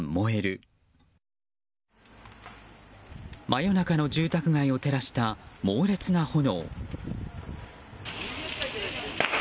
真夜中の住宅街を照らした猛烈な炎。